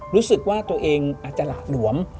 รู้สึกว่าตัวเองอาจจะหละหลวม